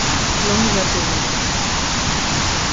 Langue japonaise.